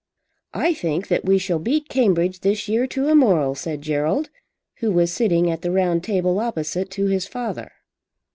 "I think that we shall beat Cambridge this year to a moral," said Gerald, who was sitting at the round table opposite to his father.